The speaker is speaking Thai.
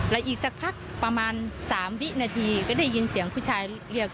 และอีกสักพักประมาณ๓วินาทีก็ได้ยินเสียงผู้ชายเรียก